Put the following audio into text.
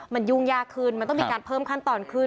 มันยุ่งยากขึ้นมันต้องมีการเพิ่มขั้นตอนขึ้น